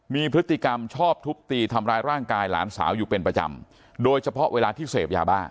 มีพฤติกรรมชอบทุบตีทำร้ายร่างกายหลานสาวอยู่เป็นประจำโดยเฉพาะเวลาที่เสพยาบ้า